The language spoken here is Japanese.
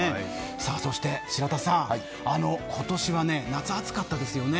そして白田さん、今年は夏、暑かったですよね。